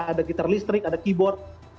ada gitar listrik ada keyboard